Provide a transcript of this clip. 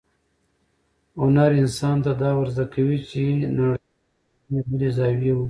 هنر انسان ته دا ورزده کوي چې نړۍ ته له یوې بلې زاویې وګوري.